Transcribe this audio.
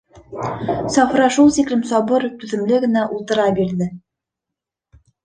Сафура шул тиклем сабыр, түҙемле генә ултыра бирҙе.